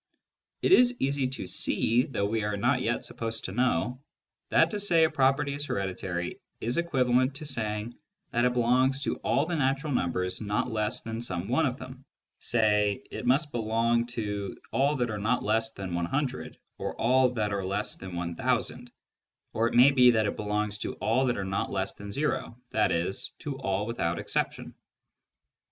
It is easy to see, though we are not yet supposed to know, that to say a property is hereditary is equivalent to saying that it belongs to all the natural numbers not less than some one of them, e.g. it must belong to all that are not less than 100, or all that are less than 1000, or it may be that it belongs to all that are not less than o, i.e. to all without exception.